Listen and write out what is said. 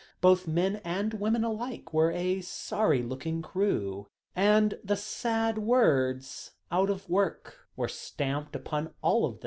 Both men and women alike were a sorry looking crew, and the sad words "out of work," were stamped upon them all.